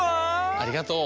ありがとう。